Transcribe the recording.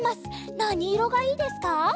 なにいろがいいですか？